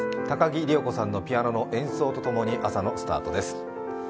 高木里代子さんのピアノ演奏とともに朝のスタートです。